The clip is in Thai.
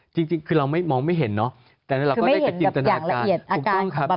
จริงคือเรามองไม่เห็นแต่เราก็ได้กระจินตนาการ